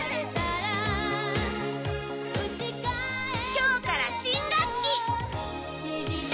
今日から新学期！